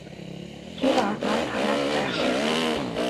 Гэр орноо санаад байх шиг байна.